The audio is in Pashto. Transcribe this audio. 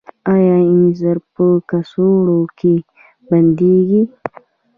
آیا انځر په کڅوړو کې بندیږي؟